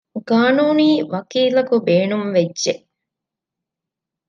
ޤާނޫނީ ވަކީލަކު ބޭނުންވެއްޖެ